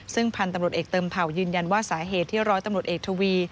ซึ่งพันธุ์ตำรวจเอกเติมเผ่ายืนยันว่าสาเหตุที่ร้อยตำรวจเอกทวี